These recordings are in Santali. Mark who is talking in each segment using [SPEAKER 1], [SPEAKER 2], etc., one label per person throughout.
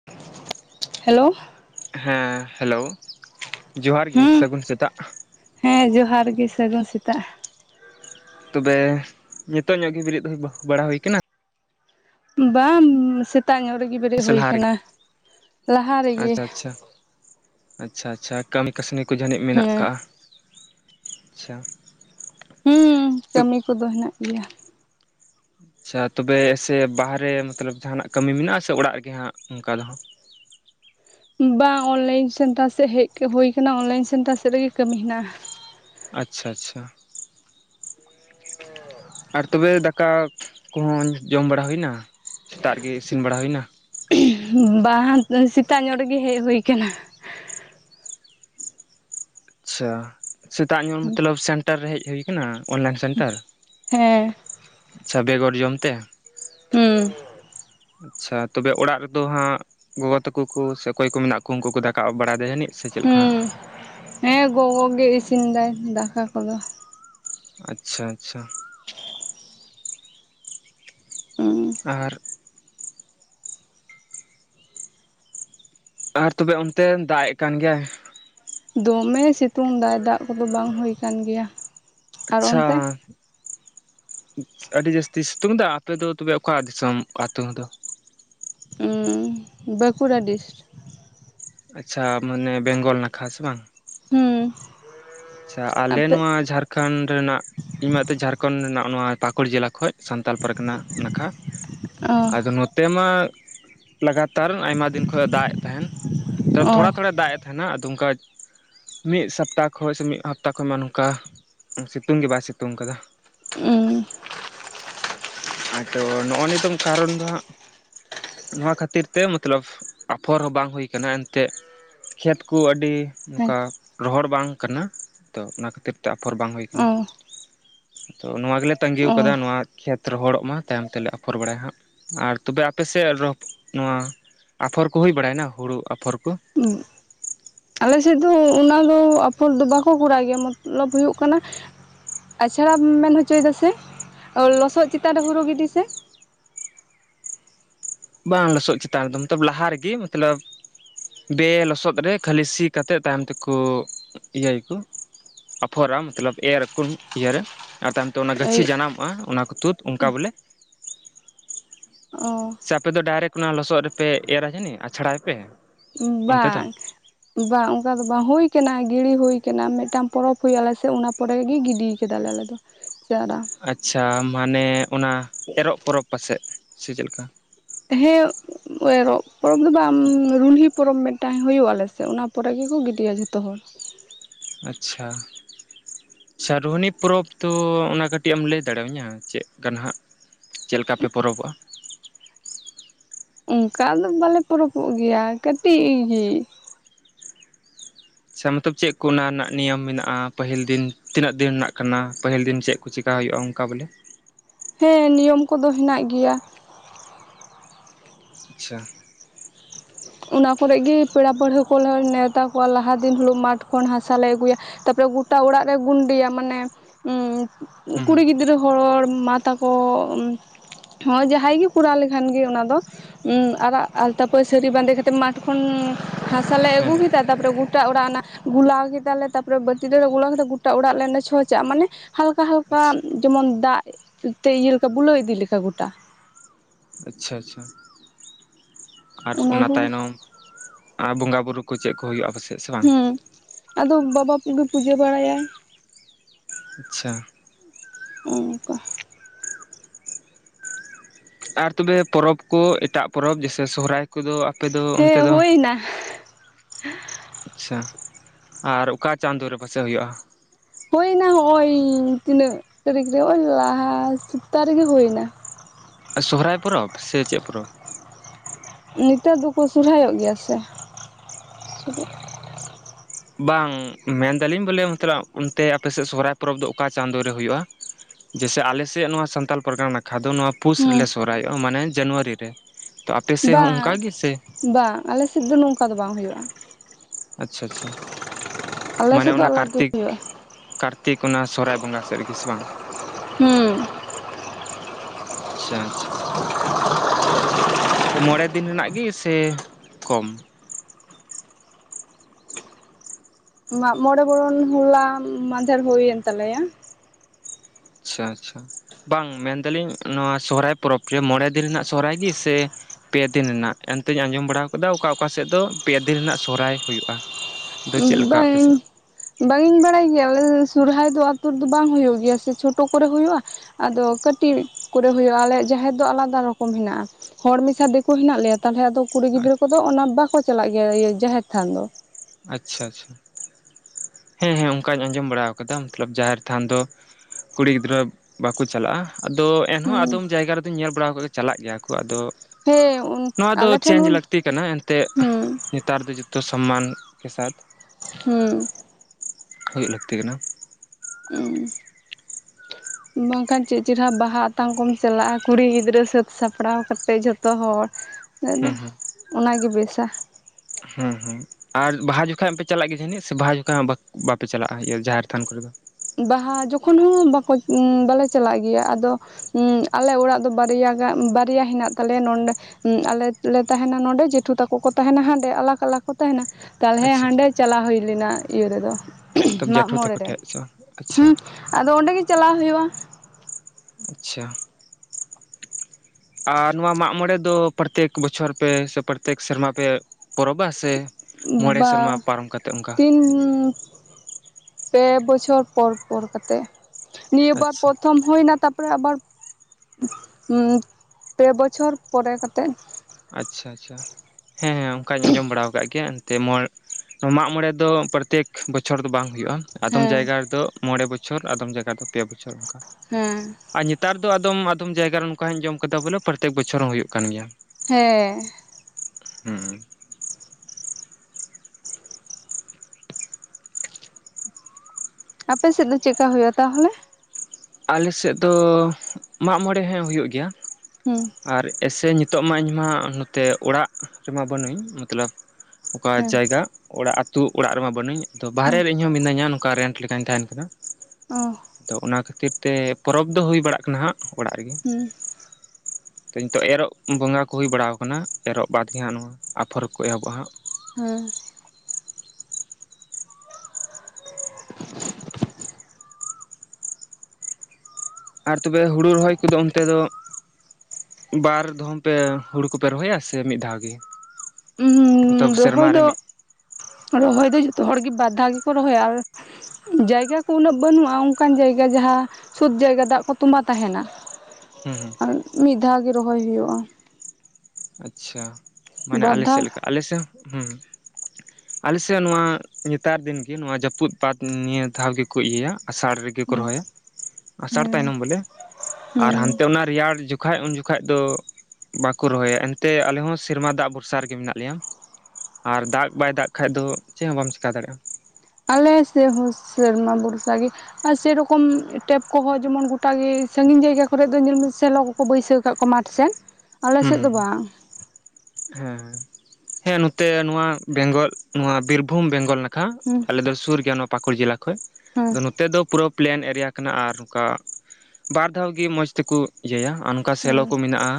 [SPEAKER 1] [unintelligible] ᱦᱮᱞᱳ ᱾
[SPEAKER 2] ᱦᱮᱸᱻ, ᱦᱮᱞᱳ ᱾ ᱡᱚᱦᱟᱨ ᱜᱮ, ᱥᱟᱹᱜᱩᱱ ᱥᱮᱛᱟᱜ ᱾
[SPEAKER 1] ᱦᱮᱸᱻᱡᱚᱦᱟᱨ ᱜᱮ, ᱥᱟᱹᱜᱩᱱ ᱥᱮᱛᱟᱜ ᱾
[SPEAKER 2] ᱛᱚᱵᱮ, ᱱᱤᱛᱚᱜ ᱧᱚᱜ ᱜᱮ, ᱵᱮᱨᱮᱫᱽ ᱵᱟᱲᱟ ᱦᱩᱭ ᱠᱟᱱᱟ?
[SPEAKER 1] ᱵᱟᱝ ᱥᱮᱛᱟᱜ ᱧᱚᱜ ᱨᱮᱜᱮ, ᱵᱮᱨᱮᱜ
[SPEAKER 2] ᱥᱮ
[SPEAKER 1] ᱦᱩᱭ
[SPEAKER 2] ᱞᱟᱦᱟ ᱨᱮᱜᱮ
[SPEAKER 1] ᱟᱠᱟᱱᱟ ᱞᱟᱦᱟ ᱨᱮᱜᱮ
[SPEAKER 2] ᱟᱪᱪᱷᱟ
[SPEAKER 1] ᱾
[SPEAKER 2] ᱟᱪᱪᱷᱟ ᱟᱪᱪᱷᱟ ᱟᱪᱪᱷᱟ ᱾ ᱠᱟᱹᱢᱤ ᱠᱟᱹᱥᱱᱤ ᱠᱚ, ᱡᱟᱹᱱᱤᱡ ᱢᱮᱱᱟᱜ
[SPEAKER 1] ᱦᱮᱸ
[SPEAKER 2] ᱠᱟᱜᱼᱟ? ᱟᱪᱪᱷᱟ ᱾
[SPEAKER 1] ᱦᱩᱸᱻ, ᱠᱟᱹᱢᱤ ᱠᱚᱫᱚ ᱦᱮᱱᱟᱜ ᱜᱮᱭᱟ ᱾
[SPEAKER 2] ᱟᱪᱪᱷᱟ, ᱛᱚᱵᱮ ᱥᱮ, ᱵᱟᱦᱨᱮ ᱢᱚᱛᱞᱚᱵ ᱡᱟᱦᱟᱸᱱᱟᱜ ᱠᱟᱹᱢᱤ ᱢᱮᱱᱟᱜᱼᱟ, ᱥᱮ ᱚᱲᱟᱜ ᱨᱮᱜᱮ, ᱦᱟᱸᱜ ᱚᱱᱠᱟ ᱫᱚ ᱦᱟᱸᱜ?
[SPEAKER 1] ᱵᱟᱝ? ᱚᱱᱞᱟᱭᱤᱱ ᱥᱮᱱᱴᱟᱨ ᱥᱮᱜ ᱦᱮᱡ ᱦᱳᱭ ᱟᱠᱟᱱᱟ, ᱚᱱᱞᱟᱭᱤᱱ ᱥᱮᱱᱴᱟᱨ ᱥᱮᱜ ᱨᱮᱜᱮ ᱠᱟᱹᱢᱤ ᱦᱮᱱᱟᱜᱼᱟ ᱾
[SPEAKER 2] ᱟᱪᱪᱷᱟ, ᱟᱪᱪᱷᱟ ᱾ ᱟᱨ ᱛᱚᱵᱮ, ᱫᱟᱠᱟ ᱠᱚᱦᱚᱸ ᱡᱚᱢ ᱵᱟᱲᱟ ᱦᱩᱭᱮᱱᱟ ᱥᱮᱛᱟᱜ ᱨᱮᱜᱮ, ᱤᱥᱤᱱ ᱵᱟᱲᱟ ᱦᱩᱭᱮᱱᱟ?
[SPEAKER 1] ᱮᱸᱦᱩ-ᱨ ᱵᱟᱝ, ᱥᱮᱛᱟᱜ ᱧᱚᱜ ᱨᱮᱜᱮ, ᱦᱮᱡ ᱦᱩᱭ ᱟᱠᱟᱱᱟ ᱾
[SPEAKER 2] ᱟᱪᱪᱷᱟ ᱾ ᱥᱮᱛᱟᱜ ᱧᱚᱜ, ᱢᱚᱛᱞᱚᱵ ᱥᱮᱱᱴᱟᱨ ᱨᱮ ᱦᱮᱡ ᱦᱩᱭ ᱦᱮᱡ ᱮᱱᱟ ᱾ ᱚᱱᱞᱟᱭᱤᱱ ᱥᱮᱱᱴᱟᱨ,
[SPEAKER 1] ᱦᱮᱸ
[SPEAKER 2] ᱪᱷᱟᱵᱮᱭᱟᱱ ᱜᱚᱨᱡᱚᱱ ᱛᱮ?
[SPEAKER 1] ᱦᱩᱸᱻ ᱾
[SPEAKER 2] ᱟᱪᱪᱷᱟ, ᱛᱚᱵᱮ ᱚᱲᱟᱜ ᱨᱮᱫᱚ ᱦᱟᱸᱜ, ᱜᱚᱜᱚ ᱛᱟᱠᱚ ᱠᱚ, ᱥᱮ ᱚᱠᱚᱭ ᱠᱚ, ᱢᱮᱱᱟᱜ ᱠᱚ, ᱩᱱᱠᱩ ᱠᱚ, ᱫᱟᱠᱟ ᱵᱟᱲᱟᱭᱫᱟ ᱡᱟᱹᱱᱤᱡ? ᱥᱮ ᱪᱮᱫ ᱞᱮᱠᱟ
[SPEAKER 1] ᱦᱩᱸ,
[SPEAKER 2] ᱦᱟᱸᱜ?
[SPEAKER 1] ᱦᱮᱸᱻᱜᱚᱜᱚ ᱜᱮ, ᱤᱥᱤᱱᱫᱟᱭ ᱫᱟᱠᱟ ᱠᱚᱫᱚ ᱾
[SPEAKER 2] ᱟᱪᱪᱷᱟ, ᱟᱪᱪᱷᱟ ᱾
[SPEAKER 1] ᱦᱩᱸ
[SPEAKER 2] ᱟᱨ, ᱟᱨ, ᱛᱚᱵᱮ ᱚᱱᱛᱮ ᱫᱟᱜ, ᱮᱛ ᱠᱟᱱ ᱜᱮᱭᱟᱭ?
[SPEAKER 1] ᱫᱚᱢᱮ ᱥᱤᱛᱩᱝ ᱫᱟᱭ ᱾ ᱫᱟᱜ ᱠᱚᱫᱚ ᱵᱟᱝ, ᱦᱩᱭ ᱠᱟᱱ ᱜᱮᱭᱟ ᱾
[SPEAKER 2] ᱟᱪᱪᱷᱟᱻ᱾ ᱟᱹᱰᱤ ᱡᱟᱹᱥᱛᱤ ᱥᱤᱛᱩᱝ ᱮᱫᱟ ᱾ ᱟᱯᱮ ᱫᱚ ᱛᱚᱵᱮ, ᱚᱠᱟ ᱫᱤᱥᱚᱢ ᱟᱛᱳ ᱫᱚ?
[SPEAKER 1] ᱩᱸᱻ, ᱵᱟᱸᱠᱩᱲᱟ ᱰᱤᱥ
[SPEAKER 2] ᱟᱪᱪᱷᱟ, ᱢᱟᱱᱮ ᱵᱮᱝᱜᱚᱞ ᱱᱟᱠᱷᱟ ᱥᱮ, ᱵᱟᱝ?
[SPEAKER 1] ᱦᱩᱸᱻ ᱾
[SPEAKER 2] ᱟᱪᱪᱷᱟ ᱾ ᱟᱞᱮ ᱱᱚᱣᱟ ᱡᱷᱟᱲᱠᱷᱟᱸᱰ ᱨᱮᱱᱟᱜ, ᱤᱧ ᱢᱟᱛᱚ ᱡᱷᱟᱲᱠᱷᱚᱸᱰ ᱨᱮᱱᱟᱜ, ᱱᱚᱜᱼᱱᱚᱣᱟ ᱯᱟᱠᱩᱲ ᱡᱮᱞᱟ ᱠᱷᱚᱡ-ᱼ ᱥᱟᱱᱛᱟᱞ ᱯᱚᱨᱜᱟᱱᱟ ᱱᱟᱠᱷᱟ,
[SPEAKER 1] ᱚ
[SPEAKER 2] ᱟᱫᱚ, ᱱᱚᱛᱮ ᱢᱟ ᱞᱟᱜᱟᱛᱟᱨ, ᱟᱭᱢᱟ ᱫᱤᱱ ᱠᱷᱚᱡ, ᱮ ᱫᱟᱜ ᱮᱫ, ᱛᱟᱦᱮᱸᱱ ᱾ ᱛᱟᱵ-ᱛᱷᱚᱲᱟ
[SPEAKER 1] ᱚ
[SPEAKER 2] ᱛᱷᱚᱲᱟ ᱫᱟᱜ, ᱮᱫ ᱛᱟᱦᱮᱱᱟ ᱾ ᱟᱫᱚ ᱚᱱᱠᱟ ᱢᱤᱫ ᱥᱟᱯᱛᱟᱦ ᱠᱷ ᱦᱳᱭ ᱥᱮ! ᱢᱤᱫ ᱦᱟᱯᱛᱟ ᱠᱷᱚᱱ ᱢᱟ, ᱱᱚᱝᱠᱟ ᱥᱤᱛᱩᱝ ᱜᱮ, ᱵᱟᱭ ᱥᱤᱛᱩᱝ ᱟᱠᱟᱫᱟ ᱾
[SPEAKER 1] ᱩᱸ
[SPEAKER 2] ᱟᱭ, ᱛᱚ ᱱᱚᱜ-ᱚᱭ ᱱᱤᱛᱚᱝ ᱠᱟᱨᱚᱱ ᱫᱚ, ᱦᱟᱸᱜ ᱾ ᱱᱚᱣᱟ ᱠᱷᱟᱹᱛᱤᱨ ᱛᱮ, ᱢᱚᱛᱞᱚᱵ ᱟᱯᱷᱚᱨ ᱦᱚᱸ ᱵᱟᱝ ᱦᱩᱭ ᱟᱠᱟᱱᱟ, ᱮᱱᱛᱮᱜ ᱾ ᱠᱷᱮᱛ ᱠᱚ, ᱟᱹᱰᱤ
[SPEAKER 1] ᱦᱮᱸ
[SPEAKER 2] ᱱᱚᱝᱠᱟ ᱨᱚᱦᱚᱲ ᱵᱟᱝ ᱠᱟᱱᱟ ᱾ ᱛᱚ ᱚᱱᱟ ᱠᱷᱟᱹᱛᱤᱨ ᱛᱮ ᱟᱯᱷᱚᱨ ᱵᱟᱝ ᱦᱩᱭ ᱠᱟᱱᱟ,
[SPEAKER 1] ᱚ
[SPEAKER 2] ᱟᱫᱚ ᱱᱚᱣᱟ ᱜᱮᱞᱮ ᱛᱟᱺᱜᱤ ᱣᱟᱠᱟᱫᱟ
[SPEAKER 1] ᱚ
[SPEAKER 2] ᱱᱚᱣᱟ ᱠᱷᱮᱛ ᱚᱛ ᱨᱚᱦᱚᱲᱚᱜ ᱢᱟ, ᱛᱟᱭᱚᱢ ᱛᱮᱞᱮ ᱟᱯᱷᱚᱨ ᱵᱟᱲᱟᱭᱟ ᱦᱟᱸᱜ ᱟᱨ ᱛᱚᱵᱮ ᱟᱯᱮ ᱥᱮᱫ ᱨᱚᱯᱷ ᱱᱚᱣᱟ ᱟᱯᱷᱚᱨ ᱠᱚ ᱦᱩᱭ ᱵᱟᱲᱟᱭᱮᱱᱟ, ᱦᱩᱲᱩ ᱟᱯᱷᱚᱨ ᱠᱩ?
[SPEAKER 1] ᱟᱞᱮ ᱥᱮᱫ ᱫᱚ ᱚᱱᱟ ᱫᱚ ᱟᱯᱷᱚᱨ ᱫᱚ ᱵᱟᱠᱚ ᱠᱚᱨᱟᱣ ᱜᱮᱭᱟ ᱢᱚᱛᱞᱚᱵ ᱦᱩᱭᱩᱜ ᱠᱟᱱᱟ, ᱟᱪᱷ ᱲᱟᱢ ᱢᱮᱱ ᱦᱚᱪᱚᱭᱮᱫᱟ ᱥᱮ ᱞᱚᱥᱚᱫ ᱪᱮᱛᱟᱱ ᱨᱮ ᱦᱩᱲᱩ ᱜᱤᱰᱤ ᱥᱮ?
[SPEAKER 2] ᱵᱟᱝ ᱞᱚᱥᱚᱫ ᱪᱮᱛᱟᱱ ᱨᱮᱫᱚ ᱢᱚᱛᱞᱚᱵᱽ ᱞᱟᱦᱟ ᱨᱮᱜᱮ ᱢᱚᱛᱞᱚᱵᱽ ᱵᱮ ᱞᱚᱥᱚᱫ ᱨᱮ ᱠᱷᱟᱹᱞᱤ ᱥᱤ ᱠᱟᱛᱮᱫ ᱛᱟᱭᱚᱢ ᱛᱮᱠᱚ ᱤᱭᱟᱹᱭᱟᱠᱩ, ᱟᱯᱷᱚᱨᱟᱢ ᱢᱚᱛᱞᱚᱵ ᱮᱨ ᱟᱹᱠᱩᱱ ᱤᱭᱟᱹ ᱨᱮ, ᱟᱨ ᱛᱟᱭᱚᱢ ᱛᱮ ᱚᱱᱟ ᱜᱟᱹᱪᱷᱤ ᱡᱟᱱᱟᱢᱚᱜ-ᱟ ᱚᱱᱟ ᱠᱚ ᱛᱩᱫ ᱚᱱᱠᱟ ᱵᱚᱞᱮ,
[SPEAKER 1] ᱚ
[SPEAKER 2] ᱥᱮ ᱟᱯᱮ ᱫᱚ ᱰᱟᱭᱨᱮᱠ ᱚᱱᱟ ᱞᱚᱥᱚᱫ ᱨᱮᱯᱮ ᱮᱨᱟ ᱡᱟᱹᱱᱤᱜ ᱟᱪᱷᱲᱟᱭᱟᱯᱮ?
[SPEAKER 1] ᱩᱸ
[SPEAKER 2] ᱚᱱᱛᱮ ᱫᱚ
[SPEAKER 1] ᱵᱟᱝ ᱾ ᱵᱟᱝ ᱚᱸᱠᱟ ᱫᱚ ᱵᱟᱝ ᱦᱩᱭ ᱠᱟᱱᱟ ᱜᱤᱲᱤ ᱦᱩᱭ ᱠᱟᱱᱟ ᱢᱤᱫᱴᱟᱝ ᱯᱚᱲᱚᱯ ᱦᱩᱭᱩᱜᱼᱟ ᱟᱞᱮ ᱥᱮᱫ ᱚᱱᱟ ᱯᱚᱨᱮ ᱜᱮ ᱜᱤᱰᱤ ᱟᱠᱟᱫᱟᱞᱮ ᱟᱞᱮ ᱫᱚ᱾ ᱪᱟᱨᱟ,
[SPEAKER 2] ᱟᱪᱪᱷᱟ, ᱢᱟᱱᱮ ᱚᱱᱟ ᱮᱨᱚᱜ ᱯᱚᱨᱚᱵᱽ ᱯᱟᱥᱮᱫ ᱥᱮ ᱪᱮᱫ ᱞᱮᱠᱟ?
[SPEAKER 1] ᱦᱮᱸ ᱩᱸ ᱮᱨᱚᱜ ᱯᱚᱨᱚᱵᱽ ᱫᱚ ᱵᱟᱸᱢ ᱨᱩᱱᱦᱤ ᱯᱚᱨᱚᱵᱽ ᱢᱤᱫᱴᱟᱝ ᱦᱩᱭᱩᱜᱼᱟ ᱟᱞᱮ ᱥᱮᱫ ᱚᱱᱟ ᱯᱚᱨᱮ ᱜᱮᱠᱚ ᱜᱤᱰᱤᱭᱟ ᱡᱷᱚᱛᱚ ᱦᱚᱲ᱾
[SPEAKER 2] ᱟᱪᱪᱷᱟ, ᱪᱷᱟ ᱨᱩᱦᱩᱱᱤ ᱯᱚᱨᱚᱵᱽ ᱫᱚ ᱚᱱᱟ ᱠᱟᱹᱴᱤᱡ ᱮᱢ ᱞᱟᱹᱭ ᱫᱟᱲᱮᱭᱟᱹᱧᱟᱹ ᱪᱮᱫ ᱠᱟᱱᱟ ᱦᱟᱸᱜ? ᱪᱮᱫ ᱞᱮᱠᱟ ᱯᱮ ᱯᱚᱨᱚᱵᱽ ᱚᱜ-ᱟ?
[SPEAKER 1] ᱚᱸᱠᱟ ᱫᱚ ᱵᱟᱞᱮ ᱯᱚᱨᱚᱯᱚᱜ ᱜᱮᱭᱟ ᱠᱟᱹᱴᱤᱜ ᱜᱤ,
[SPEAKER 2] ᱪᱷᱟ ᱢᱚᱛᱚᱵ ᱪᱮᱫ ᱠᱚ ᱚᱱᱟ ᱨᱮᱱᱟᱜ ᱱᱤᱭᱚᱢ ᱢᱮᱱᱟᱜ-ᱟ ᱯᱟᱹᱦᱤᱞ ᱫᱤᱱ ᱛᱤᱱᱟᱹᱜ ᱫᱤᱱ ᱨᱮᱱᱟᱜ ᱠᱟᱱᱟ ᱯᱟᱹᱦᱤᱞ ᱫᱤᱱ ᱪᱮᱫ? ᱠᱩ ᱪᱮᱠᱟ ᱦᱩᱭᱩᱜ-ᱟ ᱚᱸᱠᱟ ᱵᱚᱞᱮ?
[SPEAKER 1] ᱦᱮᱸ ᱱᱤᱭᱚᱢ ᱠᱚᱫᱚ ᱦᱮᱱᱟᱜ ᱜᱮᱭᱟ,
[SPEAKER 2] ᱟᱪᱪᱷᱟ,
[SPEAKER 1] ᱚᱱᱟ ᱠᱚᱨᱮᱜ ᱜᱮ ᱯᱮᱲᱟ ᱯᱟᱹᱲᱦᱟᱸ ᱠᱚᱞᱦᱮ ᱱᱮᱣᱛᱟ ᱠᱚᱣᱟ ᱞᱟᱦᱟ ᱫᱤᱱ ᱦᱤᱞᱳᱜ ᱢᱟᱴᱷ ᱠᱷᱚᱱ ᱦᱟᱥᱟ ᱞᱮ ᱟᱹᱜᱩᱭᱟ ᱛᱟᱯᱚᱨᱮ ᱜᱚᱴᱟ ᱚᱲᱟᱜ ᱨᱮ ᱜᱩᱱᱰᱤᱭᱟ ᱢᱟᱱᱮ ᱩᱸᱻ ᱩᱸ
[SPEAKER 2] ᱦᱩᱸ
[SPEAKER 1] ᱠᱩᱲᱤ
[SPEAKER 2] ᱦᱩᱸ
[SPEAKER 1] ᱜᱤᱫᱽᱨᱟᱹ ᱦᱚᱲ ᱢᱟ ᱛᱟᱠᱚ ᱩᱸ ᱦᱚᱸ ᱡᱟᱦᱟᱸᱭ ᱜᱮ ᱠᱚᱨᱟᱣ ᱞᱮᱠᱷᱟᱱ ᱜᱮ ᱚᱱᱟ ᱫᱚ, ᱩᱸ ᱟᱨᱟᱜ ᱟᱞᱛᱟ ᱯᱟᱹᱭ ᱥᱟᱹᱨᱤ ᱵᱟᱸᱫᱮ ᱠᱟᱛᱮ ᱢᱟᱴᱷ ᱠᱷᱚᱱ ᱦᱟᱥᱟ ᱞᱮ
[SPEAKER 2] ᱦᱮᱸ
[SPEAKER 1] ᱟᱹᱜᱩ
[SPEAKER 2] ᱦᱮᱸ
[SPEAKER 1] ᱠᱮᱫᱟ, ᱛᱟᱯᱚᱨᱮ ᱜᱚᱴᱟ ᱚᱲᱟᱜ ᱚᱱᱟ ᱜᱩᱞᱟᱣ ᱜᱮ ᱛᱟᱞᱮ ᱛᱟᱯᱚᱨᱮ ᱵᱟᱹᱴᱤ ᱫᱮᱲᱮ ᱜᱩᱞᱟᱣ ᱠᱟᱛᱮ ᱜᱚᱴᱟ ᱚᱲᱟᱜ ᱞᱮ ᱱᱮ ᱪᱷᱚᱸᱪᱟᱜ ᱢᱟᱱᱮ ᱦᱟᱞᱠᱟ
[SPEAKER 2] ᱟᱪᱪᱷᱟ
[SPEAKER 1] ᱦᱟᱞᱠᱟᱫ ᱡᱮᱢᱚᱱ ᱫᱟᱜ ᱮ ᱛᱮ ᱤᱭᱟᱹ ᱞᱮᱠᱟ ᱵᱩᱞᱟᱹᱣ ᱤᱫᱤ ᱞᱮᱠᱟ ᱜᱚᱴᱟ,
[SPEAKER 2] ᱟᱪᱪᱷᱟ ᱟᱪᱪᱷᱟ, ᱟᱨ ᱚᱱᱟ ᱛᱟᱭᱱᱚᱢ? ᱟᱸ ᱵᱚᱸᱜᱟ ᱵᱩᱨᱩ ᱠᱚ ᱪᱮᱜ ᱠᱚ ᱦᱩᱭᱩᱜᱼᱟ ᱟᱯᱮᱥᱮᱡ ᱥᱮ ᱵᱟᱝ?
[SPEAKER 1] ᱦᱮᱸ ᱟᱫᱚ ᱵᱟᱵᱟᱯ ᱜᱮ ᱯᱩᱡᱟᱹ ᱵᱟᱲᱟᱭᱟᱭ,
[SPEAKER 2] ᱟᱪᱪᱷᱟ᱾
[SPEAKER 1] ᱩᱸᱦ ᱚᱝᱠᱟ,
[SPEAKER 2] ᱟᱨ ᱛᱚᱵᱮ ᱯᱚᱨᱚᱵᱽ ᱠᱚ ᱮᱴᱟᱜ ᱯᱚᱨᱚᱵᱽ ᱡᱟᱭᱥᱮ ᱥᱚᱦᱨᱟᱭ, ᱠᱚᱫᱚ ᱟᱯᱮ ᱫᱚ ᱚᱱᱛᱮ
[SPEAKER 1] ᱦᱮᱸ
[SPEAKER 2] ᱫᱚ
[SPEAKER 1] ᱦᱳᱭᱱᱟ
[SPEAKER 2] ᱟᱪᱪᱷᱟ, ᱟᱨ ᱚᱠᱟ ᱪᱟᱸᱫᱚ ᱨᱮ ᱯᱟᱥᱮᱜ ᱦᱩᱭᱩᱜ-ᱟ?
[SPEAKER 1] ᱦᱩᱭ ᱮᱱᱟ ᱦᱚᱸᱜ-ᱚᱭ ᱛᱤᱱᱟᱹᱜ ᱛᱟᱹᱨᱤᱠᱷ ᱨᱮ ᱦᱚᱸᱜ-ᱚᱭ ᱞᱟᱦᱟ ᱥᱤᱻᱛᱟ ᱨᱮᱜᱮ ᱦᱩᱭᱮᱱᱟ᱾
[SPEAKER 2] ᱥᱚᱦᱨᱟᱭ ᱯᱚᱨᱚᱵᱽ ᱥᱮ ᱪᱮᱫ ᱯᱚᱨᱚᱵᱽ?
[SPEAKER 1] ᱱᱮᱛᱳᱜ ᱫᱚᱠᱚ ᱥᱚᱨᱦᱟᱭᱚᱜ ᱜᱮᱭᱟ ᱥᱮ? [unintelligible]
[SPEAKER 2] ᱵᱟᱝ ᱢᱮᱱᱫᱟᱞᱤᱧ ᱵᱚᱞᱮ ᱚᱸᱛᱮᱱᱟᱜ ᱚᱱᱛᱮ ᱟᱯᱮ ᱥᱮᱫ ᱥᱚᱦᱨᱟᱭ ᱯᱚᱨᱚᱵᱽ ᱫᱚ ᱚᱠᱟ ᱪᱟᱸᱫᱳ ᱨᱮ ᱦᱩᱭᱩᱜᱼᱟ? ᱡᱮᱭᱥᱮ ᱟᱞᱮᱥᱮᱜ ᱱᱚᱣᱟ ᱥᱟᱱᱛᱟᱞ ᱯᱟᱨᱜᱟᱱᱟ ᱱᱟᱠᱷᱟ ᱫᱚ ᱱᱚᱣᱟ ᱯᱩᱥ
[SPEAKER 1] ᱦᱮᱸ
[SPEAKER 2] ᱨᱮᱞᱮ ᱥᱚᱦᱨᱟᱭᱚᱜᱼᱟ, ᱢᱟᱱᱮ ᱡᱟᱱᱣᱟᱹᱨᱤ ᱨᱮ, ᱛᱚ ᱟᱯ-
[SPEAKER 1] ᱵᱟᱝ ᱵᱟᱝ ᱟᱞᱮ ᱥᱮᱫ ᱫᱚ ᱱᱚᱝᱠᱟ ᱫᱚ ᱵᱟᱝ ᱦᱩᱭᱩᱜᱼᱟ᱾
[SPEAKER 2] ᱟᱪᱪᱷᱟ ᱟᱪᱪᱷᱟ ᱢᱟᱱᱮ
[SPEAKER 1] ᱟᱞᱮᱥᱮᱫ ᱫᱚ
[SPEAKER 2] ᱚᱱᱟ
[SPEAKER 1] ᱟᱞᱟᱜᱽ ᱜᱮ
[SPEAKER 2] ᱠᱟᱨᱛᱤᱠ᱾
[SPEAKER 1] ᱦᱩᱭᱩᱜᱼᱟ
[SPEAKER 2] ᱠᱟᱨᱛᱤᱠ ᱚᱱᱟ ᱥᱚᱨᱦᱟᱭ ᱵᱚᱸᱜᱟ ᱥᱮᱫ ᱨᱮᱜ ᱥᱮ ᱵᱟᱝ᱾
[SPEAKER 1] ᱦᱩᱸ
[SPEAKER 2] ᱟᱪᱪᱷᱟ ᱟᱪᱷᱟ ᱛᱚ ᱢᱚᱬᱮ ᱫᱤᱱ ᱨᱮᱱᱟᱜ ᱜᱮ ᱥᱮ ᱠᱚᱢ?
[SPEAKER 1] ᱢᱟᱜ ᱢᱚᱲᱮ ᱵᱚᱲᱚᱱ ᱦᱚᱞᱟ ᱢᱟᱫᱷᱮᱨ ᱦᱩᱭᱮᱱ ᱛᱟᱞᱮᱭᱟ᱾
[SPEAKER 2] ᱟᱪᱪᱷᱟ ᱟᱪᱪᱷᱟ ᱵᱟᱝ ᱢᱮᱱᱫᱟᱞᱤᱧ ᱱᱚᱣᱟ ᱥᱚᱦᱚᱨᱟᱭ ᱯᱚᱨᱚᱵᱽ ᱨᱮ, ᱢᱚᱬᱮ ᱫᱤᱱ ᱨᱮᱱᱟᱜ ᱥᱚᱦᱚᱨᱟᱭ ᱜᱮ ᱥᱮ ᱯᱮ ᱫᱤᱱ ᱨᱮᱱᱟᱜ ᱮᱱᱛᱮᱧ ᱟᱸᱡᱚᱢ ᱵᱟᱲᱟ ᱠᱟᱫᱟ ᱚᱠᱟ ᱚᱠᱟ ᱥᱮᱫ ᱫᱚ, ᱯᱮ ᱫᱤᱱ ᱨᱮᱱᱟᱜ ᱥᱚᱦᱨᱟᱭ ᱦᱩᱭᱩᱜᱼᱟ᱾ ᱫᱚ
[SPEAKER 1] ᱮ
[SPEAKER 2] ᱪᱮᱫ ᱞᱮᱠᱟ
[SPEAKER 1] ᱵᱟᱝ᱾
[SPEAKER 2] ᱟᱯᱮᱥᱮᱫ
[SPEAKER 1] ᱵᱟᱝ ᱤᱧ ᱵᱟᱲᱟᱭ ᱜᱮᱭᱟ ᱥᱚᱨᱦᱟᱭ ᱫᱚ ᱟᱛᱩ ᱨᱮᱫᱚ ᱵᱟᱝ ᱦᱩᱭᱩᱜ ᱜᱮᱭᱟ ᱥᱮ ᱪᱷᱳᱴᱳ ᱠᱚᱨᱮ ᱦᱩᱭᱩᱜᱼᱟ᱾ ᱟᱫᱚ ᱠᱟᱹᱴᱤᱡ ᱠᱚᱨᱮ ᱦᱩᱭᱩᱜᱼᱟ, ᱟᱞᱮᱭᱟᱜ ᱡᱟᱦᱮᱨ ᱫᱚ ᱟᱞᱟᱫᱟ ᱨᱚᱠᱚᱢ ᱦᱮᱱᱟᱜᱼᱟ᱾ ᱦᱚᱲ ᱢᱮᱥᱟ ᱫᱤᱠᱩ ᱦᱮᱱᱟᱜ ᱞᱮᱭᱟ ᱛᱟᱦᱞᱮ ᱟᱫᱚ ᱠᱩᱲᱤ ᱜᱤᱫᱽᱨᱟᱹ ᱠᱚᱫᱚ, ᱚᱱᱟ ᱵᱟᱠᱚ ᱪᱟᱞᱟᱜ ᱜᱮᱭᱟ ᱡᱟᱦᱮᱨ ᱛᱷᱟᱱ ᱫᱚ᱾
[SPEAKER 2] ᱟᱪᱪᱷᱟ ᱟᱪᱪᱷᱟ ᱦᱮᱸ ᱦᱮᱸ ᱚᱱᱠᱟᱧ ᱟᱸᱡᱚᱢ ᱵᱟᱲᱟ ᱟᱠᱟᱫᱟ ᱢᱚᱛᱞᱚᱵ ᱡᱟᱦᱮᱨ ᱛᱷᱟᱱ ᱫᱚ, ᱠᱩᱲᱤ ᱜᱤᱫᱽᱨᱟᱹ ᱵᱟᱠᱚ ᱪᱟᱞᱟᱜᱼᱟ᱾ ᱟᱫᱚ ᱮᱱᱦᱚᱸ
[SPEAKER 1] ᱦᱩᱸ
[SPEAKER 2] ᱟᱫᱚᱢ ᱡᱟᱭᱜᱟ ᱨᱮᱫᱚᱧ ᱧᱮᱞ ᱵᱟᱲᱟ ᱟᱠᱟᱜ ᱠᱚ ᱪᱟᱞᱟᱜ ᱜᱮᱭᱟ ᱠᱚ ᱟᱫᱚ᱾
[SPEAKER 1] ᱦᱮᱸ
[SPEAKER 2] ᱱᱚᱣᱟ ᱫᱚ
[SPEAKER 1] ᱟᱞᱮ ᱴᱷᱮᱱ
[SPEAKER 2] ᱪᱮᱧᱡᱽ
[SPEAKER 1] ᱦᱩᱸ
[SPEAKER 2] ᱞᱟᱹᱠᱛᱤ ᱠᱟᱱᱟ ᱮᱱᱛᱮᱫ᱾ ᱱᱮᱛᱟᱨ ᱫᱚ ᱡᱚᱛᱚ ᱥᱚᱢᱟᱱ ᱠᱮ ᱥᱟᱛ
[SPEAKER 1] ᱦᱩᱸ
[SPEAKER 2] ᱦᱩᱭᱩᱜ ᱞᱟᱹᱠᱛᱤ ᱠᱟᱱᱟ᱾
[SPEAKER 1] ᱦᱩᱸ
[SPEAKER 2] [unintelligible]
[SPEAKER 1] ᱵᱟᱝᱠᱷᱟᱱ ᱪᱮᱫ ᱪᱮᱦᱨᱟ ᱵᱟᱦᱟ ᱟᱛᱟᱝ ᱠᱚᱢ ᱪᱟᱞᱟᱜᱼᱟ ᱠᱩᱲᱤ ᱜᱤᱫᱽᱨᱟᱹ ᱥᱟᱹᱛ ᱥᱟᱯᱲᱟᱣ ᱠᱟᱛᱮᱫ ᱡᱷᱚᱛᱚ ᱦᱚᱲ᱾ ᱟᱞᱮ ᱫᱚ
[SPEAKER 2] ᱦᱩᱸ
[SPEAKER 1] ᱚᱱᱟᱜᱮ ᱵᱮᱥᱟ᱾
[SPEAKER 2] ᱦᱩᱸ ᱦᱩᱸ ᱟᱨ ᱵᱟᱦᱟ ᱡᱚᱠᱷᱚᱡ ᱯᱮ ᱪᱟᱞᱟᱜ ᱜᱮ ᱡᱟᱹᱱᱤᱡ ᱥᱮ, ᱵᱟᱦᱟ ᱡᱚᱠᱷᱚᱡ ᱵᱟᱯᱮ ᱪᱟᱞᱟᱜᱼᱟ ᱤᱭᱟᱹ ᱡᱟᱦᱮᱨ ᱛᱷᱟᱱ ᱠᱚᱨᱮ ᱫᱚ?
[SPEAKER 1] ᱵᱟᱦᱟ ᱡᱚᱠᱷᱚᱱ ᱦᱚᱸ ᱵᱟᱠᱚ ᱵᱟᱞᱮ ᱪᱟᱞᱟᱜ ᱜᱮᱭᱟ ᱟᱫᱚ᱾ ᱟᱞᱮ ᱚᱲᱟᱜ ᱫᱚ ᱵᱟᱨᱭᱟ ᱜᱟ ᱵᱟᱨᱭᱟ ᱦᱮᱱᱟᱜ ᱛᱟᱞᱮᱭᱟ ᱱᱚᱰᱮ᱾ ᱟᱞᱮ ᱞᱮ ᱛᱟᱦᱮᱱᱟ ᱱᱚᱸᱰᱮ ᱡᱮᱴᱩ ᱛᱟᱠᱚ ᱠᱚ ᱛᱟᱦᱮᱱᱟ ᱦᱟᱸᱰᱮ ᱟᱞᱟᱜ ᱟᱞᱟᱜᱽ ᱠᱚ᱾ ᱛᱟᱦᱮᱱᱟ ᱛᱟᱦᱚᱞᱮ
[SPEAKER 2] ᱟᱪᱪᱷᱟ
[SPEAKER 1] ᱦᱟᱸᱰᱮ ᱪᱟᱞᱟᱣ ᱦᱩᱭ ᱞᱮᱱᱟ ᱤᱭᱟᱹ ᱨᱮᱫᱚ᱾
[SPEAKER 2] ᱛᱚᱵᱽ ᱡᱮᱴᱷᱩ ᱛᱟᱠᱚ ᱴᱷᱮᱡ ᱪᱚ᱾
[SPEAKER 1] ᱦᱩᱸ ᱟᱫᱚ ᱚᱸᱰᱮ ᱜᱮ ᱪᱟᱞᱟᱣ ᱦᱩᱭᱩᱜᱼᱟ᱾
[SPEAKER 2] ᱟᱪᱪᱷᱟ ᱟᱨ ᱱᱚᱣᱟ ᱢᱟᱜ ᱢᱚᱬᱮ ᱫᱚ ᱯᱨᱚᱛᱮᱠ ᱵᱚᱪᱷᱚᱨ ᱯᱮ ᱥᱮ ᱯᱨᱚᱛᱮᱠ ᱥᱮᱨᱢᱟ ᱯᱮ᱾ ᱯᱚᱨᱚᱵᱟ ᱥᱮ ᱢᱚᱬᱮ
[SPEAKER 1] ᱵᱟ
[SPEAKER 2] ᱥᱮᱨᱢᱟ ᱯᱟᱨᱚᱢ ᱠᱟᱛᱮᱫ ᱚᱱᱠᱟ
[SPEAKER 1] ᱛᱤᱱ ᱯᱮ ᱵᱚᱪᱷᱚᱨ ᱯᱚᱨ ᱯᱚᱨ ᱠᱟᱛᱮ ᱱᱤᱭᱟᱹ ᱵᱟᱨ
[SPEAKER 2] ᱟᱪᱪᱷᱟ
[SPEAKER 1] ᱯᱨᱚᱛᱷᱚᱢ᱾ ᱦᱩᱭᱱᱟ ᱛᱟᱯᱚᱨᱮ ᱟᱵᱟᱨ ᱩᱸ ᱯᱮ ᱵᱚᱪᱷᱚᱨ ᱯᱚᱨᱮ ᱠᱟᱛᱮᱜ᱾
[SPEAKER 2] ᱟᱪᱪᱷᱟ ᱟᱪᱪᱷᱟ ᱦᱮᱸ ᱦᱮᱸ ᱚᱱᱠᱟᱧ ᱟᱸᱡᱚᱢ ᱵᱟᱲᱟ ᱟᱠᱟᱫ ᱜᱮᱭᱟ ᱮᱱᱛᱮ, ᱢᱚᱬ ᱢᱟᱜ ᱢᱚᱬᱮ ᱫᱚ ᱯᱨᱚᱛᱮᱠ᱾ ᱵᱚᱪᱷᱚᱨ ᱫᱚ ᱵᱟᱝ ᱦᱩᱭᱩᱜᱼᱟ, ᱟᱫᱚᱢ
[SPEAKER 1] ᱦᱮᱸ
[SPEAKER 2] ᱡᱟᱭᱜᱟ ᱨᱮᱫᱚ ᱢᱚᱬᱮ ᱵᱚᱪᱷᱚᱨ, ᱟᱫᱚᱢ ᱡᱟᱭᱜᱟ ᱨᱮ ᱫᱚ ᱯᱮ ᱵᱚᱪᱷᱚᱨ᱾ ᱚᱱᱠᱟ
[SPEAKER 1] ᱦᱮᱸ
[SPEAKER 2] ᱟᱨ ᱱᱮᱛᱟᱨ ᱫᱚ ᱟᱫᱚᱢ ᱟᱫᱚᱢ ᱡᱟᱭᱜᱟ ᱨᱮ ᱱᱚᱝᱠᱟ ᱦᱚᱧ ᱡᱚᱢ ᱟᱠᱟᱫᱟ, ᱵᱚᱞᱮ ᱯᱨᱚᱛᱮᱠ ᱵᱚᱪᱷᱚᱨ ᱦᱚᱸ ᱦᱩᱭᱩᱜ ᱠᱟᱱ ᱜᱮᱭᱟ᱾
[SPEAKER 1] ᱦᱮᱸ
[SPEAKER 2] ᱦᱩᱸ
[SPEAKER 1] ᱟᱯᱮᱥᱮᱫ ᱫᱚ ᱪᱮᱫ ᱠᱟ ᱦᱩᱭᱩᱜᱼᱟ ᱛᱟᱦᱚᱞᱮ?
[SPEAKER 2] ᱟᱞᱮ ᱥᱮᱫ ᱫᱚ ᱢᱟᱜᱢᱚᱬᱮ ᱦᱮᱸ ᱦᱩᱭᱩᱜ ᱜᱮᱭᱟ᱾
[SPEAKER 1] ᱦᱩᱸ᱾
[SPEAKER 2] ᱟᱨ ᱮᱥᱮ ᱧᱤᱛᱚᱜ ᱢᱟ ᱤᱧᱢᱟ ᱱᱚᱛᱮ ᱚᱲᱟᱜ ᱨᱮᱢᱟ ᱵᱟᱹᱱᱩᱧ, ᱢᱚᱛᱞᱚᱵ ᱚᱠᱟ
[SPEAKER 1] ᱦᱮᱸ
[SPEAKER 2] ᱡᱟᱭᱜᱟ ᱚᱲᱟᱜ ᱟᱹᱛᱩ ᱚᱲᱟᱜ ᱨᱮᱢᱟ ᱵᱟᱹᱱᱩᱧ, ᱟᱫᱚ ᱵᱟᱦᱨᱮ
[SPEAKER 1] ᱦᱮᱸ
[SPEAKER 2] ᱨᱮ ᱤᱧᱦᱚᱸ ᱢᱤᱱᱟᱹᱧᱟ ᱱᱚᱝᱠᱟ ᱨᱮᱱᱴ ᱞᱮᱠᱟᱧ ᱛᱟᱦᱮᱸᱱ ᱠᱟᱱᱟ᱾
[SPEAKER 1] ᱚ
[SPEAKER 2] ᱟᱫᱚ ᱚᱱᱟ ᱠᱷᱟᱹᱛᱤᱨ ᱛᱮ ᱯᱚᱨᱚᱵᱽ ᱫᱚ ᱦᱩᱭ ᱵᱟᱲᱟᱜ ᱠᱟᱱᱟ ᱦᱟᱸᱜ ᱚᱲᱟᱜ ᱨᱮᱜᱮ᱾
[SPEAKER 1] ᱦᱩᱸ᱾
[SPEAKER 2] ᱛᱚ ᱱᱤᱛᱚᱜ ᱮᱨᱚᱜ ᱵᱚᱸᱜᱟ ᱠᱚ ᱦᱩᱭ ᱵᱟᱲᱟᱣ ᱠᱟᱱᱟ, ᱮᱨᱚᱜ ᱵᱟᱫ ᱜᱮ ᱦᱟᱸᱜ ᱱᱚᱣᱟ ᱟᱯᱷᱚᱨ ᱠᱚ ᱮᱦᱚᱵᱚᱜ-ᱟ ᱦᱟᱸᱜ᱾
[SPEAKER 1] ᱦᱩᱸ᱾ [inaudible]
[SPEAKER 2] ᱟᱨ ᱛᱚᱵᱮ ᱦᱩᱲᱩ ᱨᱚᱦᱚᱭ ᱠᱚᱫᱚ ᱚᱱᱛᱮ ᱫᱚ ᱵᱟᱨ ᱫᱷᱚᱢ ᱯᱮ ᱦᱩᱲᱩ ᱠᱚᱯᱮ ᱨᱚᱦᱚᱭᱟ ᱥᱮ ᱢᱤᱫ ᱫᱷᱟᱣ ᱜᱮ? ᱢᱚᱛᱞᱚᱵ
[SPEAKER 1] ᱩᱸᱻ
[SPEAKER 2] ᱥᱮᱨᱢᱟ
[SPEAKER 1] ᱨᱚᱦᱚᱭ
[SPEAKER 2] ᱨᱮ
[SPEAKER 1] ᱫᱚ
[SPEAKER 2] ᱢᱤᱫ
[SPEAKER 1] ᱨᱚᱦᱚᱭ ᱫᱚ ᱡᱷᱚᱛᱚ ᱦᱚᱲᱜᱮ ᱵᱟᱨ ᱫᱷᱟᱣ ᱜᱮᱠᱚ ᱨᱚᱦᱚᱭᱟ, ᱟᱨ ᱡᱟᱭᱜᱟ ᱠᱚ ᱩᱱᱟᱹᱜ ᱵᱟᱹᱱᱩᱜᱼᱟ ᱚᱱᱠᱟᱱ ᱡᱟᱭᱜᱟ ᱡᱟᱦᱟᱸ ᱥᱩᱫ ᱡᱟᱭᱜᱟ ᱫᱟᱜ ᱠᱚ ᱛᱩᱸᱵᱟ ᱛᱟᱦᱮᱸᱱᱟ᱾
[SPEAKER 2] ᱦᱩᱸ ᱦᱩᱸ᱾
[SPEAKER 1] ᱟᱨ ᱢᱤᱫ ᱫᱷᱟᱣ ᱜᱮ ᱨᱚᱦᱚᱭ ᱦᱩᱭᱩᱜᱼᱟ᱾
[SPEAKER 2] ᱟᱪᱪᱷᱟ ᱢᱟᱱᱮ
[SPEAKER 1] ᱵᱟᱨ
[SPEAKER 2] ᱟᱞᱮ ᱥᱮᱫ
[SPEAKER 1] ᱫᱷᱟᱣ
[SPEAKER 2] ᱞᱮᱠᱟ ᱟᱞᱮ ᱥᱮᱫ ᱦᱩᱸ᱾ ᱟᱞᱮ ᱥᱮᱫ ᱱᱚᱣᱟ ᱱᱮᱛᱟᱨ ᱫᱤᱱ ᱜᱤ ᱱᱚᱣᱟ ᱡᱟᱹᱯᱩᱫ ᱯᱟᱫ ᱱᱤᱭᱟᱹ ᱫᱷᱟᱣ ᱜᱮ ᱠᱩ ᱤᱭᱟᱹᱭᱟ ᱟᱥᱟᱲ ᱨᱮᱜᱮ ᱠᱚ
[SPEAKER 1] ᱦᱩᱸ
[SPEAKER 2] ᱨᱚᱦᱚᱭᱟ ᱟᱥᱟᱲ
[SPEAKER 1] ᱦᱮᱸ
[SPEAKER 2] ᱛᱟᱭᱱᱚᱢ ᱵᱚᱞᱮ ᱟᱨ
[SPEAKER 1] ᱦᱩᱸ
[SPEAKER 2] ᱦᱟᱱᱛᱮ ᱚᱱᱟ ᱨᱮᱭᱟᱲ ᱡᱩᱠᱷᱟᱡ ᱩᱱ ᱡᱩᱠᱷᱟᱡ ᱫᱚ ᱵᱟᱠᱚ ᱨᱚᱦᱚᱭᱟ ᱮᱱ ᱛᱮ ᱟᱞᱮ ᱦᱚᱸ ᱥᱤᱨᱢᱟ ᱫᱟᱜ ᱵᱷᱚᱨᱥᱟ ᱨᱮᱜᱤ ᱢᱤᱱᱟᱜ ᱞᱮᱭᱟ᱾ ᱟᱨ ᱫᱟᱠ ᱵᱟᱭ ᱫᱟᱜ ᱠᱷᱟᱡ ᱫᱚ ᱪᱮᱫ ᱦᱚᱸ ᱵᱟᱢ ᱪᱤᱠᱟ ᱫᱟᱲᱮᱭᱟᱜᱼᱟ᱾
[SPEAKER 1] ᱟᱞᱮ ᱥᱮᱫ ᱦᱚᱸ ᱥᱮᱨᱢᱟ ᱵᱩᱨᱥᱟ ᱜᱮ᱾ ᱟᱨ ᱥᱮᱨᱚᱠᱚᱢ ᱴᱮᱯ ᱠᱚᱦᱚᱸ ᱡᱮᱢᱚᱱ ᱜᱩᱴᱟ ᱜᱮ ᱥᱟᱺᱜᱤᱧ ᱡᱟᱭᱜᱟ ᱠᱚᱨᱮᱫ ᱫᱚ ᱧᱮᱞ ᱢᱮ ᱥᱮᱞᱚ ᱠᱩ ᱵᱟᱹᱭᱥᱟᱹᱣ ᱠᱟᱫ ᱠᱚᱣᱟ ᱢᱟᱴᱷ ᱥᱮᱫ, ᱟᱞᱮ ᱥᱮᱫ
[SPEAKER 2] ᱦᱩᱸ
[SPEAKER 1] ᱫᱚ
[SPEAKER 2] ᱦᱩᱸ
[SPEAKER 1] ᱵᱟᱝ᱾
[SPEAKER 2] ᱦᱮᱸ ᱦᱮᱸ ᱱᱚᱛᱮ ᱱᱚᱣᱟ ᱵᱮᱝᱜᱚᱞ ᱱᱚᱣᱟ ᱵᱤᱨᱵᱷᱩᱢ ᱵᱮᱝᱜᱚᱞ ᱱᱟ ᱠᱷᱟᱱ
[SPEAKER 1] ᱦᱩᱸ
[SPEAKER 2] ᱟᱞᱮ ᱫᱚ ᱥᱩᱨ ᱜᱮᱭᱟ ᱱᱚᱣᱟ ᱯᱟᱠᱩᱲ ᱡᱮᱞᱟ ᱠᱷᱚᱡ
[SPEAKER 1] ᱦᱩᱸ
[SPEAKER 2] ᱟᱫᱚ ᱱᱚᱛᱮ ᱫᱚ ᱯᱩᱨᱟᱹ ᱯᱞᱮᱱ ᱮᱨᱤᱭᱟ ᱠᱟᱱᱟ ᱟᱨ ᱱᱚᱝᱠᱟ ᱵᱟᱨ ᱫᱷᱟᱣ ᱜᱮ ᱢᱚᱡᱽ ᱛᱮᱠᱚ ᱤᱭᱟᱹᱭᱟ ᱟᱨ ᱱᱚᱝᱠᱟ ᱥᱮᱞᱚ
[SPEAKER 1] ᱦᱩᱸ
[SPEAKER 2] ᱠᱚ ᱢᱮᱱᱟᱜᱼᱟ,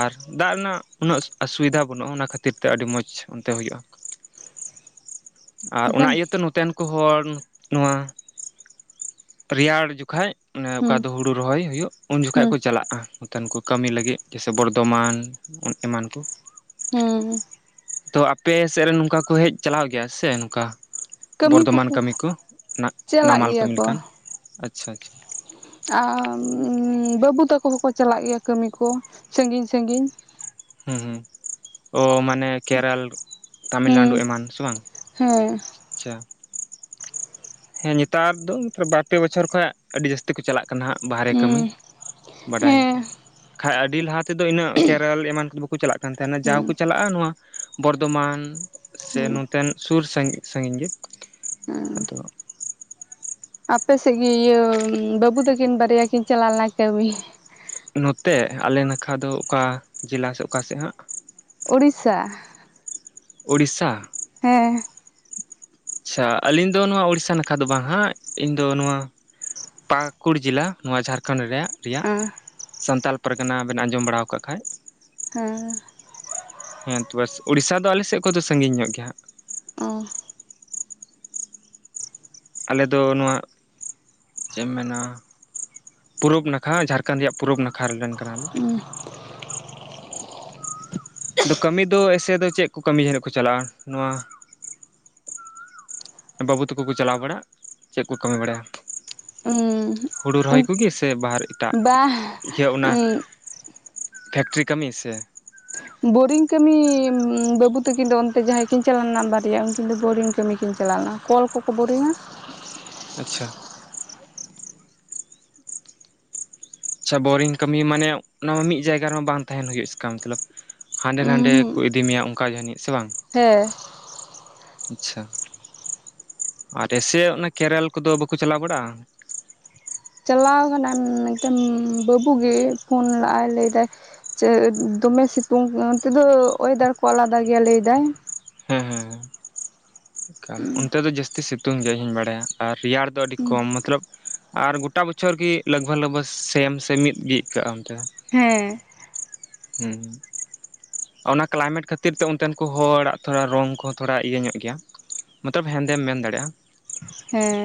[SPEAKER 2] ᱟᱨ ᱫᱟᱜ ᱨᱮᱱᱟᱜ ᱩᱱᱟᱹᱜ ᱚᱥᱩᱵᱤᱫᱷᱟ ᱵᱟᱹᱱᱩᱜᱼᱟ ᱚᱱᱟ ᱠᱷᱟᱹᱛᱤᱨ ᱛᱮ ᱟᱹᱰᱤ ᱢᱚᱡᱽ ᱚᱱᱛᱮ ᱦᱩᱭᱩᱜᱼᱟ᱾ ᱟᱨ ᱚᱱᱟ
[SPEAKER 1] ᱵᱟᱠᱷᱟᱱ
[SPEAKER 2] ᱤᱭᱟᱹᱛᱮ ᱱᱚᱛᱮᱱ ᱠᱩ ᱦᱚᱲ ᱱᱚᱣᱟ ᱨᱮᱭᱟᱲ ᱡᱩᱠᱷᱟᱡ ᱚᱱᱮ ᱚᱠᱟ
[SPEAKER 1] ᱦᱩᱸ
[SPEAKER 2] ᱫᱚ ᱦᱩᱲᱩ ᱨᱚᱦᱚᱭ ᱦᱩᱭᱩᱜ ᱩᱱ ᱡᱩᱠᱷᱟᱡ
[SPEAKER 1] ᱦᱩᱸ
[SPEAKER 2] ᱠᱩ ᱪᱟᱞᱟᱜᱼᱟ᱾ ᱛᱮᱱ ᱠᱩ ᱠᱟᱹᱢᱤ ᱞᱟᱹᱜᱤᱫ ᱡᱮᱭᱥᱮ ᱵᱚᱨᱫᱚᱢᱟᱱ ᱚᱱ ᱮᱢᱟᱱ ᱠᱩ
[SPEAKER 1] ᱦᱩᱸ᱾
[SPEAKER 2] ᱛᱚ ᱟᱯᱮ ᱥᱮᱫ ᱨᱮᱱ ᱱᱩᱝᱠᱟ ᱠᱩ ᱦᱮᱡ ᱪᱟᱞᱟᱣ ᱜᱮᱭᱟ ᱥᱮ ᱱᱚᱝᱠᱟ
[SPEAKER 1] ᱠᱟᱹᱢᱤ
[SPEAKER 2] ᱵᱚᱨᱫᱚᱢᱟᱱ
[SPEAKER 1] ᱠᱚᱠᱚ
[SPEAKER 2] ᱠᱟᱹᱢᱤ ᱠᱚ ᱱᱟᱜ,
[SPEAKER 1] ᱪᱟᱞᱟᱜ
[SPEAKER 2] ᱱᱟᱢᱟᱞ
[SPEAKER 1] ᱜᱮᱭᱟ
[SPEAKER 2] ᱠᱟᱢᱤ
[SPEAKER 1] ᱠᱚ
[SPEAKER 2] ᱞᱮᱠᱟᱱ? ᱟᱪᱪᱷᱟ ᱟᱪᱪᱷᱟ᱾
[SPEAKER 1] ᱟᱻ ᱵᱟᱹᱵᱩ ᱛᱟᱠᱚ ᱦᱚᱸᱠᱚ ᱪᱟᱞᱟᱜ ᱜᱮᱭᱟ ᱠᱟᱹᱢᱤ ᱠᱚ ᱥᱟᱺᱜᱤᱧ ᱥᱟᱺᱜᱤᱧ᱾
[SPEAKER 2] ᱦᱩᱸ ᱦᱩᱸ ᱚ ᱢᱟᱱᱮ ᱠᱮᱨᱟᱞ ᱛᱟᱢᱤᱞᱱᱟᱰᱩ
[SPEAKER 1] ᱦᱩᱸ
[SPEAKER 2] ᱮᱢᱟᱱ ᱥᱮ ᱵᱟᱝ?
[SPEAKER 1] ᱦᱮᱸ᱾
[SPEAKER 2] ᱟᱪᱪᱷᱟ᱾ ᱦᱮᱸ ᱧᱮᱛᱟᱨ ᱫᱚ ᱵᱟᱨᱯᱮ ᱵᱚᱪᱷᱚᱨ ᱠᱷᱚᱭᱟᱜ ᱟᱹᱰᱤ ᱡᱟᱹᱥᱛᱤ ᱠᱩ ᱪᱟᱞᱟᱜ ᱠᱟᱱᱟ ᱦᱟᱸᱜ ᱵᱟᱦᱨᱮ ᱠᱟᱹᱢᱤ,
[SPEAKER 1] ᱦᱩᱸ
[SPEAKER 2] ᱵᱟᱰᱟᱭ
[SPEAKER 1] ᱦᱮᱸ
[SPEAKER 2] ᱠᱷᱟᱡ ᱟᱹᱰᱤ ᱞᱟᱦᱟ ᱛᱮᱫᱚ ᱤᱱᱟᱹᱜ ᱠᱮᱨᱟᱞ ᱮᱢᱟᱱ ᱠᱩ ᱵᱟᱠᱩ ᱪᱟᱞᱟᱜ ᱠᱟᱱ ᱛᱟᱦᱮᱸᱱᱟ, ᱡᱟᱣ
[SPEAKER 1] ᱦᱩᱸ
[SPEAKER 2] ᱠᱚ ᱪᱟᱞᱟᱜᱼᱟ ᱱᱚᱣᱟ ᱵᱚᱨᱫᱚᱢᱟᱱ ᱥᱮ
[SPEAKER 1] ᱦᱩᱸ
[SPEAKER 2] ᱱᱚᱛᱮᱱ ᱥᱩᱨ ᱥᱟᱸᱜᱤᱧ ᱥᱟᱸᱜᱤᱧ ᱜᱮ,
[SPEAKER 1] ᱦᱩᱸ
[SPEAKER 2] ᱟᱫᱚ
[SPEAKER 1] ᱟᱯᱮ ᱥᱮᱫ ᱜᱮ ᱤᱭᱟᱹ ᱵᱟᱹᱵᱩ ᱛᱟᱹᱠᱤᱱ ᱵᱟᱨᱭᱟ ᱠᱤᱱ ᱪᱟᱞᱟᱣ ᱞᱮᱱᱟ ᱠᱟᱹᱢᱤ᱾
[SPEAKER 2] ᱱᱚᱛᱮ ᱟᱞᱮ ᱱᱟᱠᱷᱟ ᱫᱚ ᱚᱠᱟ ᱡᱮᱞᱟ ᱥᱮ ᱚᱠᱟ ᱥᱮᱫ ᱦᱟᱸᱜ?
[SPEAKER 1] ᱩᱲᱤᱥᱥᱟ
[SPEAKER 2] ᱩᱲᱤᱥᱥᱟ
[SPEAKER 1] ᱦᱮᱸ
[SPEAKER 2] ᱟᱪᱪᱷᱟ ᱟᱹᱞᱤᱧ ᱫᱚ ᱱᱚᱣᱟ ᱩᱲᱤᱥᱥᱟ ᱱᱟᱠᱷᱟ ᱫᱚ ᱵᱟᱝ ᱦᱟᱸᱜ᱾ ᱤᱧᱫᱚ ᱱᱚᱣᱟ ᱯᱟᱹᱠᱩᱲ ᱡᱮᱞᱟ ᱱᱚᱣᱟ ᱡᱷᱟᱲᱠᱷᱚᱸᱰ ᱨᱮᱭᱟᱜ ᱨᱮᱭᱟᱜ
[SPEAKER 1] ᱦᱮᱸ
[SPEAKER 2] ᱥᱟᱱᱛᱟᱞ ᱯᱟᱨᱜᱟᱱᱟ ᱵᱮᱱ ᱟᱸᱡᱚᱢ ᱵᱟᱲᱟᱣ ᱠᱟᱫ ᱠᱷᱟᱡ᱾
[SPEAKER 1] ᱦᱮᱸ
[SPEAKER 2] ᱦᱮᱸ ᱛᱚ ᱵᱮᱥ ᱩᱲᱤᱥᱥᱟ ᱫᱚ ᱟᱞᱮ ᱥᱮᱫ ᱠᱷᱚᱱ ᱫᱚ ᱥᱟᱹᱜᱤᱧ ᱧᱚᱜ ᱜᱮᱭᱟ ᱦᱟᱸᱜ᱾
[SPEAKER 1] ᱚ
[SPEAKER 2] ᱟᱞᱮ ᱫᱚ ᱱᱚᱣᱟ ᱪᱮᱫ ᱮᱢ ᱢᱮᱱᱟ ᱯᱩᱨᱩᱵ ᱱᱟᱠᱷᱟ ᱡᱷᱟᱲᱠᱷᱟᱸᱰ ᱨᱮᱭᱟᱜ ᱯᱩᱨᱩᱵ ᱱᱟᱠᱷᱟ ᱨᱮᱱ ᱠᱟᱱᱟᱞᱮ᱾
[SPEAKER 1] ᱚ
[SPEAKER 2] ᱟᱫᱚ ᱠᱟᱹᱢᱤ ᱫᱚ ᱮᱥᱮ ᱫᱚ ᱪᱮᱫ ᱠᱚ ᱠᱟᱹᱢᱤ ᱫᱚᱠᱚ ᱪᱟᱞᱟᱜ-ᱟ ᱱᱚᱣᱟ ᱵᱟᱹᱵᱩ ᱛᱟᱠᱚ ᱠᱚ ᱪᱟᱞᱟᱣ ᱵᱟᱲᱟᱜ ᱪᱮᱜ ᱠᱚ ᱠᱟᱹᱢᱤ ᱵᱟᱲᱟᱭᱟ? ᱦᱩᱲᱩ ᱨᱚᱦᱚᱭ ᱠᱚᱜᱮ ᱥᱮ ᱵᱟᱦᱨᱮ ᱮᱴᱟᱜ
[SPEAKER 1] ᱵᱟ
[SPEAKER 2] ᱤᱭᱟᱹ ᱚᱱᱟ ᱯᱷᱮᱠᱴᱨᱤ ᱠᱟᱹᱢᱤ ᱥᱮ?
[SPEAKER 1] ᱵᱳᱨᱤᱝ ᱠᱟᱹᱢᱤ ᱵᱟᱹᱵᱩ ᱛᱟᱹᱠᱤᱱ ᱫᱚ ᱚᱱᱛᱮ ᱡᱟᱦᱟᱸᱭ ᱠᱤᱱ ᱪᱟᱞᱟᱣ ᱞᱮᱱᱟ ᱵᱟᱨᱭᱟ ᱩᱱᱠᱤᱱ ᱫᱚ ᱵᱳᱨᱤᱝ ᱠᱟᱹᱢᱤ ᱠᱤᱱ ᱪᱟᱞᱟᱣ ᱞᱮᱱᱟ᱾ ᱠᱚᱞ ᱠᱚᱠᱚ ᱵᱳᱨᱤᱝ-ᱟ᱾
[SPEAKER 2] ᱟᱪᱪᱷᱟ ᱟᱪᱪᱷᱟ ᱵᱳᱨᱤᱝ ᱠᱟᱹᱢᱤ ᱢᱟᱱᱮ ᱚᱱᱟ ᱢᱟ ᱢᱤᱫ ᱡᱟᱭᱜᱟ ᱨᱮᱢᱟ ᱵᱟᱝ ᱛᱟᱦᱮᱸᱱ ᱦᱩᱭᱩᱜ ᱮᱥᱠᱟᱢ ᱢᱚᱛᱞᱚᱵ᱾ ᱦᱟᱸᱰᱮ ᱱᱟᱰᱮ ᱠᱚ
[SPEAKER 1] ᱩᱸᱦᱩᱸ
[SPEAKER 2] ᱤᱫᱤ ᱢᱮᱭᱟ ᱚᱱᱠᱟ ᱡᱟᱹᱱᱤᱡ ᱥᱮ ᱵᱟᱝ?
[SPEAKER 1] ᱦᱮᱸ
[SPEAKER 2] ᱟᱪᱪᱷᱟ ᱟᱨ ᱮᱥᱮ ᱚᱱᱮ ᱠᱮᱨᱮᱞ ᱠᱚᱫᱚ ᱵᱟᱠᱚ ᱪᱟᱞᱟᱣ ᱵᱟᱲᱟᱜ-ᱟ?
[SPEAKER 1] ᱪᱟᱞᱟᱣ ᱠᱟᱱᱟᱭ ᱢᱤᱫᱴᱮᱱ ᱵᱟᱹᱵᱩ ᱜᱮ ᱯᱷᱳᱱ ᱞᱟᱜ ᱟᱭ ᱞᱟᱹᱭ ᱫᱟᱭ ᱪᱟᱹᱫ ᱫᱚᱢᱮ ᱥᱤᱸᱛᱩᱝ ᱚᱱᱛᱮ ᱫᱚ ᱳᱭᱮᱫᱟᱨ ᱠᱚ ᱟᱞᱟᱫᱟ ᱜᱮᱭᱟ ᱞᱟᱹᱭ ᱫᱟᱭ᱾
[SPEAKER 2] ᱦᱮᱸ ᱦᱮᱸ ᱦᱮᱸ ᱮᱠᱟᱞ ᱚᱱᱛᱮ ᱫᱚ ᱡᱟᱹᱥᱛᱤ ᱥᱤᱸᱛᱩᱝ ᱜᱮᱭᱟᱭ ᱤᱧ ᱦᱚᱧ ᱵᱟᱲᱟᱭᱟ ᱟᱨ ᱨᱮᱭᱟᱲ ᱫᱚ ᱟᱹᱰᱤ ᱠᱚᱢ ᱢᱚᱛᱞᱚᱵ ᱟᱨ ᱜᱚᱴ ᱜᱚᱴᱟ ᱵᱚᱪᱷᱚᱨ ᱜᱮ ᱞᱟᱜᱽᱵᱷᱟᱜᱽ ᱞᱟᱜᱽᱵᱷᱟᱜᱽ ᱥᱮᱢ ᱥᱮ ᱢᱤᱫ ᱜᱮ ᱟᱹᱭᱠᱟᱹᱜ-ᱟ ᱚᱱᱛᱮ ᱫᱚ᱾ [unintelligible]
[SPEAKER 1] ᱦᱮᱸ
[SPEAKER 2] ᱦᱩᱸ ᱚᱱᱟ ᱠᱞᱟᱭᱢᱮᱴ ᱠᱷᱟᱹᱛᱤᱨ ᱛᱮ ᱚᱱᱛᱮᱱ ᱠᱚ ᱦᱚᱲᱟᱜ ᱛᱷᱚᱲᱟ ᱨᱚᱝ ᱠᱚᱦᱚᱸ ᱛᱷᱚᱲᱟ ᱤᱭᱟᱹ ᱧᱚᱜ ᱜᱮᱭᱟ᱾ ᱢᱚᱛᱞᱚᱵ ᱦᱮᱸᱫᱮᱢ ᱢᱮᱱ ᱫᱟᱲᱮᱭᱟᱜ-ᱟ᱾
[SPEAKER 1] ᱦᱮᱸ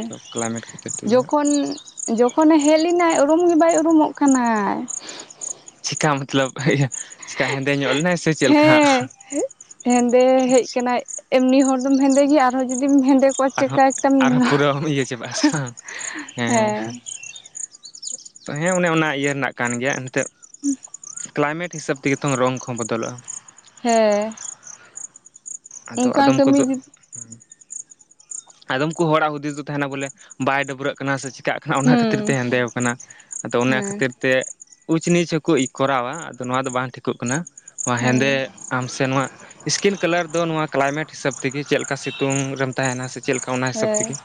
[SPEAKER 2] ᱦᱟᱸᱜ
[SPEAKER 1] ᱡᱚᱠᱷᱚᱱ ᱡᱚᱠᱷᱚᱱᱮ ᱦᱮᱡ ᱞᱮᱱᱟᱭ ᱩᱨᱩᱢ ᱜᱮ ᱵᱟᱭ ᱩᱨᱩᱢᱚᱜ ᱠᱟᱱᱟᱭ᱾
[SPEAKER 2] ᱪᱤᱠᱟ ᱢᱚᱛᱞᱚᱵ ᱤᱭᱟᱹ ᱪᱤᱠᱟ ᱦᱮᱸᱫᱮ ᱧᱚᱜ ᱞᱮᱱᱟᱭ ᱥᱮ? ᱪᱮᱫ ᱞᱮᱠᱟ ᱦᱟᱸᱜ
[SPEAKER 1] ᱦᱮᱸ ᱦᱮᱸᱫᱮ ᱦᱮᱡ ᱠᱟᱱᱟᱭ ᱮᱢᱱᱤ ᱦᱚᱲ ᱫᱚᱢ ᱦᱮᱸᱫᱮ ᱜᱮᱭᱟ ᱟᱨᱦᱚᱸ ᱡᱩᱫᱤᱢ ᱦᱮᱸᱫᱮ ᱠᱚᱣᱟ
[SPEAKER 2] ᱟᱨᱦᱚᱸ
[SPEAKER 1] ᱪᱮᱫᱠᱟ ᱮᱠᱴᱟᱢ
[SPEAKER 2] ᱟᱨᱦᱚᱸ
[SPEAKER 1] ᱦᱮᱸ
[SPEAKER 2] ᱯᱩᱨᱟᱹᱢ ᱤᱭᱟᱹ ᱪᱟᱵᱟᱜᱼᱟ ᱥᱮ ᱵᱟᱝ ᱦᱮᱸ ᱦᱮᱸ ᱚᱱᱮ ᱚᱱᱟ ᱤᱭᱟᱹ ᱨᱮᱱᱟᱜ ᱠᱟᱱ ᱜᱮᱭᱟ ᱱᱤᱛᱳᱜ
[SPEAKER 1] ᱦᱩᱸ
[SPEAKER 2] ᱠᱞᱟᱭᱢᱮᱴ ᱦᱤᱥᱟᱹᱵᱽ ᱛᱮᱜᱮ ᱛᱚᱝ ᱨᱚᱝ ᱠᱚᱦᱚᱸ ᱵᱚᱫᱚᱞᱚᱜ-ᱟ᱾
[SPEAKER 1] ᱦᱮᱸ
[SPEAKER 2] ᱟᱫᱚ
[SPEAKER 1] ᱚᱱᱠᱟ
[SPEAKER 2] ᱟᱫᱚᱢ
[SPEAKER 1] ᱠᱟᱹᱢᱤ
[SPEAKER 2] ᱠᱚᱫᱚ
[SPEAKER 1] ᱦᱩᱸ
[SPEAKER 2] ᱟᱫᱚᱢ ᱠᱩ ᱦᱚᱲᱟᱜ ᱦᱩᱫᱤᱥ ᱫᱚ ᱛᱟᱦᱮᱸᱱᱟ ᱵᱚᱞᱮ ᱵᱟᱭ ᱰᱟᱹᱵᱨᱟᱹᱜ ᱠᱟᱱᱟ ᱥᱮ ᱪᱤᱠᱟᱹᱜ ᱚᱱᱟ ᱠᱷᱟᱹᱛᱤᱨ ᱛᱮ ᱦᱮᱸᱫᱮ ᱠᱟᱱᱟ, ᱟᱫᱚ ᱚᱱᱟ
[SPEAKER 1] ᱦᱮᱸ
[SPEAKER 2] ᱠᱷᱟᱹᱛᱤᱨ ᱛᱮ ᱩᱪᱼᱱᱤᱡ ᱦᱚᱸᱠᱚ ᱠᱚᱨᱟᱣᱟ ᱟᱫᱚ ᱱᱚᱣᱟ ᱫᱚ ᱵᱟᱝ ᱴᱷᱤᱠᱚᱜ ᱠᱟᱱᱟ, ᱱᱚᱣᱟ
[SPEAKER 1] ᱦᱮᱸ
[SPEAKER 2] ᱦᱮᱸᱫᱮ ᱟᱢ ᱥᱮ ᱱᱚᱣᱟ ᱥᱠᱤᱱ ᱠᱟᱞᱟᱨ ᱫᱚ ᱱᱚᱣᱟ ᱠᱞᱟᱭᱢᱮᱴ ᱦᱤᱥᱟᱹᱵᱽ ᱛᱮᱜᱮ ᱪᱮᱫ ᱞᱮᱠᱟ ᱥᱤᱸᱛᱩᱝ ᱨᱮᱢ ᱛᱟᱦᱮᱸᱱᱟ ᱥᱮ ᱪᱮᱫ ᱞᱮᱠᱟ ᱚᱱᱟ ᱦᱤᱥᱟᱹᱵᱽ
[SPEAKER 1] ᱦᱮᱸ
[SPEAKER 2] ᱛᱮᱜᱤ